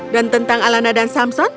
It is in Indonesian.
dan tentang alana dan samson